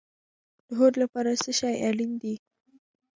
د هوډ لپاره څه شی اړین دی؟